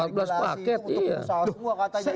untuk usaha semua katanya